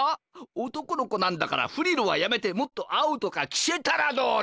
男の子なんだからフリルはやめてもっと青とか着せたらどうだ！